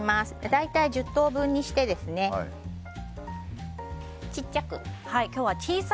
大体１０等分にして、ちっちゃく。